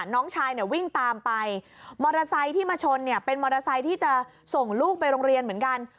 น้องชายเนี่ยวิ่งตามไปมอเตอร์ไซค์ที่มาชนเนี่ยเป็นมอเตอร์ไซค์ที่จะส่งลูกไปโรงเรียนเหมือนกัน